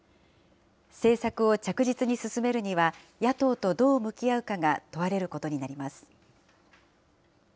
政策を着実に進めるには、野党とどう向き合うかが問われることになります。